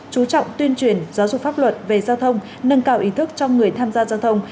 chú trọng tuyên truyền giáo dục pháp luật về giao thông nâng cao ý thức cho người tham gia giao thông